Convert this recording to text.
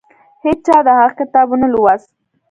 هیچا د هغه کتاب ونه لوست.